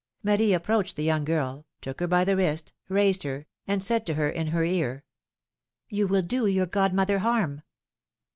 '^ Marie approached the young girl, took her by the wrist, raised her, and said to her in her ear : You will do your godmother harm!